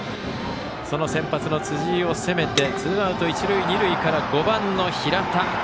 その先発の辻井を攻めてツーアウト、一塁二塁から５番の平田。